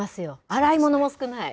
洗い物も少ない。